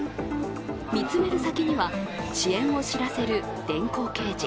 見つめる先には遅延を知らせる電光掲示。